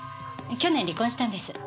去年離婚したんです。